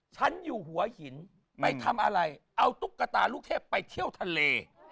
ฉันอยู่หัวหินไปทำอะไรเอาตุ๊กตาลูกเทพไปเที่ยวทะเล